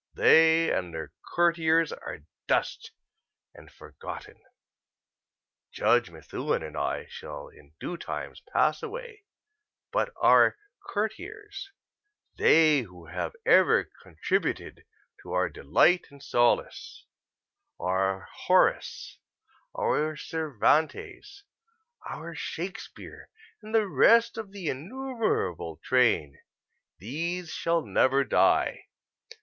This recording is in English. They and their courtiers are dust and forgotten. Judge Methuen and I shall in due time pass away, but our courtiers they who have ever contributed to our delight and solace our Horace, our Cervantes, our Shakespeare, and the rest of the innumerable train these shall never die.